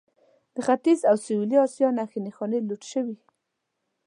د ختیځ او سویلي اسیا نښې نښانې لوټ شوي.